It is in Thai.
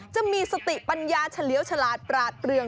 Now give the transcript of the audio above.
จะมีสติปัญญาเฉลียวฉลาดปราดเปลือง